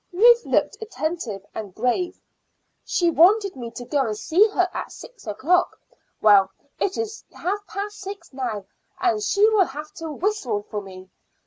Ruth looked attentive and grave. "She wanted me to go and see her at six o'clock. Well, it is half past six now, and she will have to whistle for me.